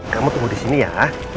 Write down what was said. kamu tunggu disini ya